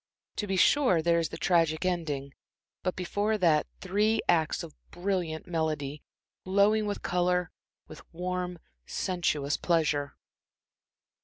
To be sure, there is the tragic ending but before that, three acts of brilliant melody, glowing with color, with warm, sensuous pleasure.